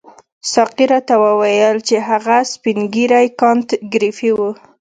ساقي راته وویل چې هغه سپین ږیری کانت ګریفي وو.